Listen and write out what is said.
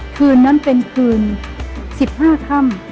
คืนนั้นเป็นคืน๑๕ค่ำ